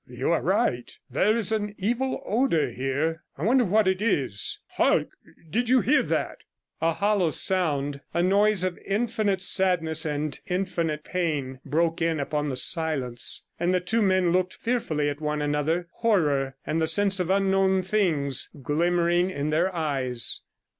'You are right; there is an evil odour here. I wonder what it is. Hark! Did you hear that?' A hollow sound, a noise of infinite sadness and infinite pain, broke in upon the silence, and the two men looked fearfully at one another, horror, and the sense of unknown things, glimmering in their eyes.